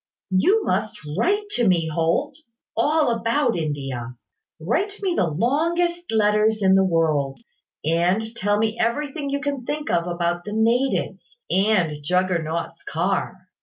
You must write to me, Holt, all about India. Write me the longest letters in the world; and tell me everything you can think of about the natives, and Juggernaut's Car."